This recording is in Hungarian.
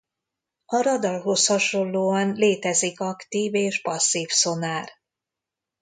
A radarhoz hasonlóan létezik aktív és passzív szonár.